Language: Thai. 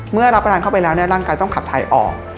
เมื่อรับประทานเข้าไปแล้วเนี้ยร่างกายต้องขับไถออก